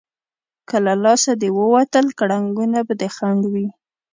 که له لاسه دې ووتل، کړنګونه به دې خنډ وي.